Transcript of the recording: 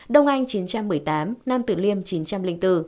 đông anh chín trăm một mươi tám nam tử liêm chín trăm linh bốn